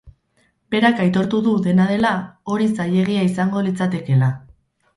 Berak aitortu du, dena dela, hori zailegia izango litzatekeela.